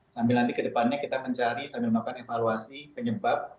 sambil nanti kedepannya kita mencari sambil melakukan evaluasi penyebab